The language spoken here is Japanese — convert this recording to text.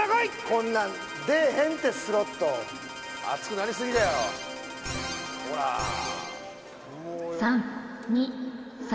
こんなん出えへんってスロット熱くなりすぎだよほら３２３